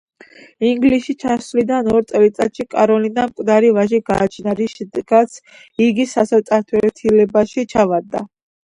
ინგლისში ჩასვლიდან ორ წელიწადში კაროლინამ მკვდარი ვაჟი გააჩინა, რის შემდეგაც იგი სასოწარკვეთილებაში ჩავარდა.